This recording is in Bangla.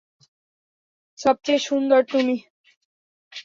সবচেয়ে সুন্দর, তুমিই।